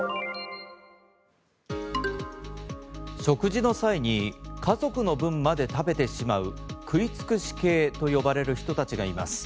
食事の際に家族の分まで食べてしまう食い尽くし系と呼ばれる人たちがいます。